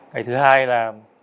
cái thứ hai là